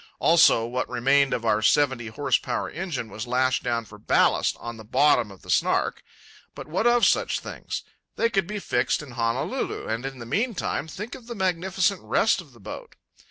Also, what remained of our seventy horse power engine was lashed down for ballast on the bottom of the Snark. But what of such things? They could be fixed in Honolulu, and in the meantime think of the magnificent rest of the boat!